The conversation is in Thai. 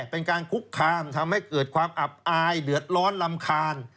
เป็นการคุกคามทำให้เกิดความอับอายเดือดร้อนรำคาญ